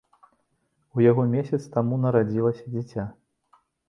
У яго месяц таму нарадзілася дзіця.